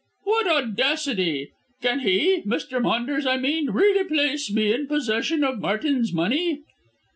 "What audacity! Can he Mr. Maunders, I mean really place me in possession of Martin's money?"